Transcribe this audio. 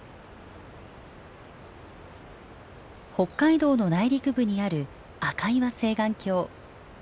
北海道の内陸部にある赤岩青巌峡。